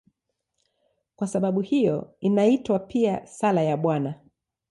Kwa sababu hiyo inaitwa pia "Sala ya Bwana".